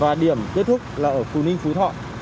và điểm kết thúc là ở phú ninh phú thọ